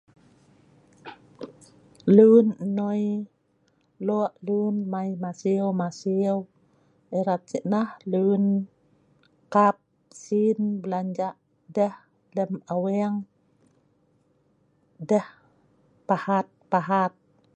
Lun enoi lok lun mei masiew masiew erat sik neh lun kap sin belanja deh lem aweng deh pahat pahat